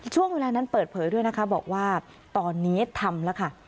ช่วงเวลานั้นเปิดเผยด้วยนะคะบอกว่าตอนนี้ทำแล้วค่ะ